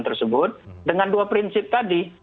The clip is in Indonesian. tersebut dengan dua prinsip tadi